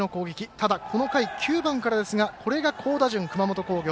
ただ、この回９番からですがこれが好打順、熊本工業。